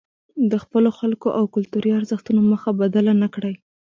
د خپلو خلکو او کلتوري ارزښتونو مخه بدله نکړي.